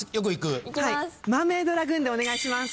マーメイドラグーンでお願いします。